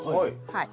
はい。